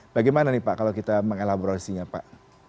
bagaimana nih pak kalau kita mengelaborasinya pak